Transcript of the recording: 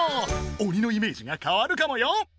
鬼のイメージがかわるかもよ！